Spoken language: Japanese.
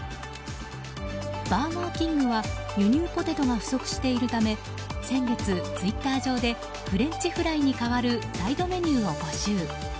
バーガーキングは輸入ポテトが不足しているため先月ツイッター上でフレンチフライに代わるサイドメニューを募集。